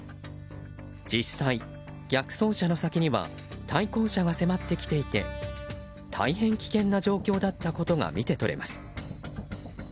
実際、逆走車の先には対向車が迫ってきていて大変危険な状況だったことが見て取れます。